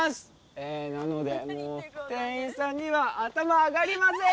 えなのでもう店員さんには頭あがりません！